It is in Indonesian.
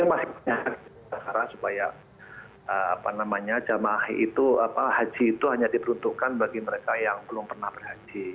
dan itu yang masih kita harap supaya apa namanya jamaah itu haji itu hanya diperuntukkan bagi mereka yang belum pernah berhaji